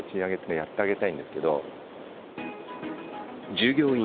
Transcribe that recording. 従業員